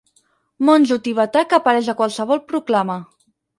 Monjo tibetà que apareix a qualsevol proclama.